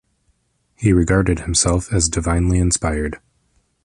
He regarded himself as divinely inspired.